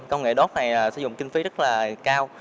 công nghệ đốt này sử dụng kinh phí rất là cao